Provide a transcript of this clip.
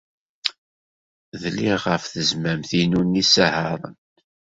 Dliɣ ɣef tezmamt-inu n yisihaṛen.